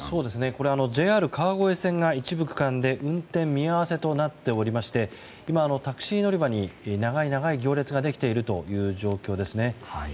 これはＪＲ川越線が一部区間で運転見合わせとなっていて今、タクシー乗り場に長い長い行列ができている状況です。